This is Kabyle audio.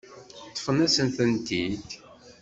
Ṭṭfen-asent-tent-id.